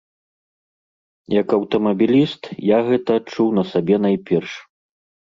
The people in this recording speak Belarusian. Як аўтамабіліст, я гэта адчуў на сабе найперш.